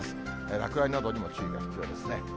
落雷などに注意が必要ですね。